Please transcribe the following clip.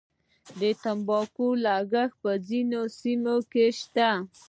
د تنباکو کښت په ځینو سیمو کې شته